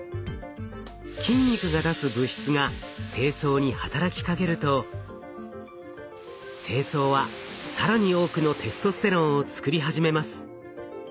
筋肉が出す物質が精巣に働きかけると精巣は更に多くのテストステロンを作り始めます。